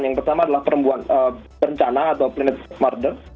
yang pertama adalah perempuan berencana atau planet murder